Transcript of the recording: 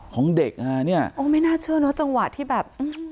ของเด็กอ่ะเนี่ยโอ้ไม่น่าเชื่อเนอะจังหวะที่แบบ